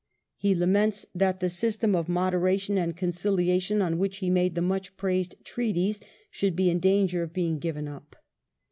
He laments that the system of moderation and conciliation on which he made the much praised treaties should be in danger of being given up.